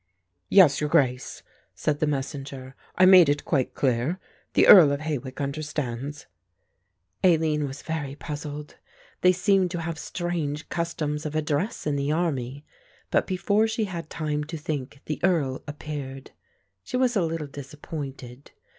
"Yes, your Grace," said the Messenger, "I made it quite clear; the Earl of Hawick understands." Aline was very puzzled, they seemed to have strange customs of address in the army, but before she had time to think the Earl appeared. She was a little disappointed.